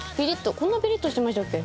こんなピリッとしてましたっけ？